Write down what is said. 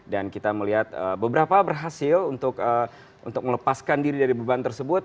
dan kita melihat beberapa berhasil untuk melepaskan diri dari beban tersebut